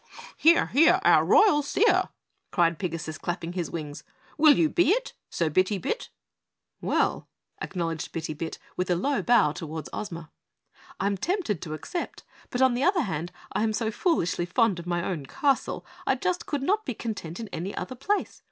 "Hear, hear, our Royal Seer!" cried Pigasus, clapping his wings. "Will you be it, Sir Bitty Bit?" "Well," acknowledged Bitty Bit, with a low bow toward Ozma, "I'm tempted to accept, but, on the other hand, I am so foolishly fond of my own castle, I just could not be content in any other place.